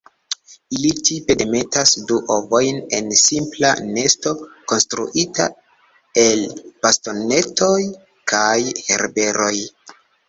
Ili tipe demetas du ovojn en simpla nesto konstruita el bastonetoj kaj herberoj.